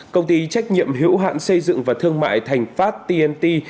công ty trách nhiệm hữu hạn xây dựng và thương mại thành pháp tnt